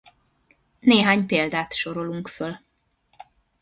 Néhány példát sorolunk föl.